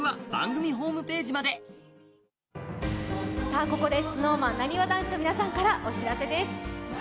さあ、ここでＳｎｏｗＭａｎ、なにわ男子の皆さんからお知らせです。